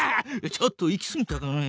ちょっと行きすぎたかね。